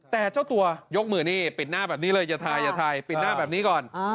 แต่เจ้าตัวยกมือนี่ปิดหน้าแบบนี้เลยอย่าถ่ายอย่าถ่ายปิดหน้าแบบนี้ก่อน